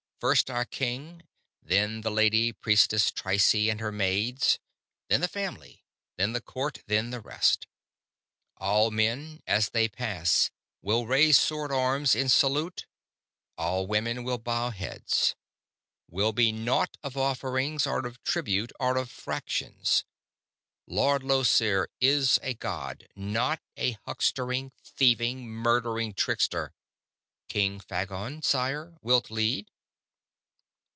First our king, then the Lady Priestess Trycie and her maids, then the Family, then the Court, then the rest. All men as they pass will raise sword arms in salute, all women will bow heads. Will be naught of offerings or of tribute or of fractions; Lord Llosir is a god, not a huckstering, thieving, murdering trickster. King Phagon, sire, wilt lead?"